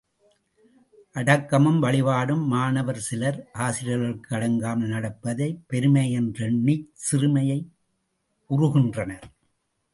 அடக்கமும் வழிபாடும் மாணவர் சிலர், ஆசிரியர்க்கு அடங்காமல் நடப்பதைப் பெருமையென்றெண்ணிச் சிறுமை உறுகின்றனர்.